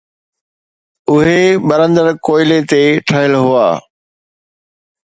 اهي ٻرندڙ ڪوئلي تي ٺهيل هئا.